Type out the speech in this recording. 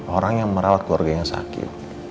orang yang merawat keluarganya sakit